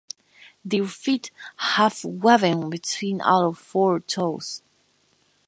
Their feet have webbing between all four toes.